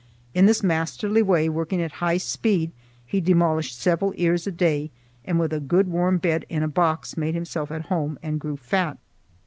In this masterly way, working at high speed, he demolished several ears a day, and with a good warm bed in a box made himself at home and grew fat.